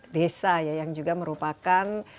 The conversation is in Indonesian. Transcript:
desa yang juga merupakan